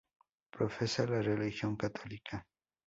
Profesa la religión católica.